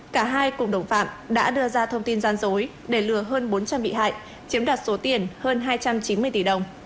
cả hai cùng đồng phạm đã đưa ra thông tin gian dối để lừa hơn bốn trăm linh bị hại chiếm đoạt số tiền hơn hai trăm chín mươi tỷ đồng